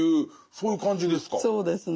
そうですね。